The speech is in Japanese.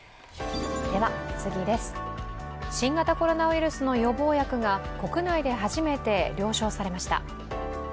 新型コロナウイルスの予防薬が国内で初めて了承されました。